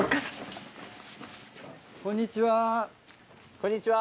こんにちは。